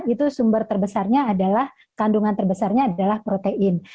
itu sumber terbesarnya adalah kandungan terbesarnya adalah protein